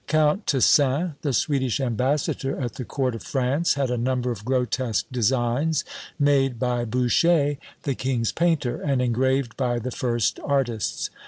Count Tessin, the Swedish Ambassador at the Court of France, had a number of grotesque designs made by Boucher, the king's painter, and engraved by the first artists.